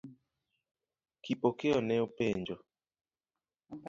Kipokeo ne openjo.